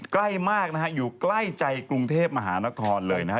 ใกล้มากนะฮะอยู่ใกล้ใจกรุงเทพมหานครเลยนะฮะ